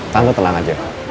tante tenang aja